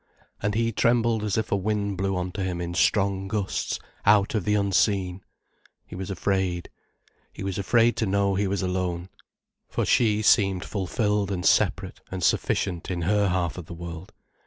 And he trembled as if a wind blew on to him in strong gusts, out of the unseen. He was afraid. He was afraid to know he was alone. For she seemed fulfilled and separate and sufficient in her half of the world.